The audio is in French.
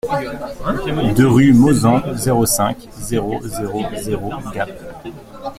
deux rue Mauzan, zéro cinq, zéro zéro zéro Gap